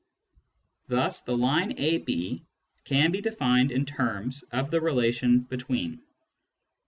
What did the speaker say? Thus the line (ab) can be defined in terms of the relation " between."